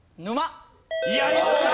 やりました！